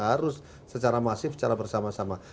harus secara masif secara bersama sama